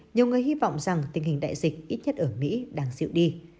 nhiều người hy vọng rằng tình hình đại dịch ít nhất ở mỹ đang dịu đi